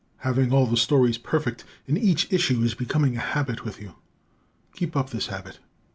Having all the stories perfect in each issue is becoming a habit with you. Keep up this habit.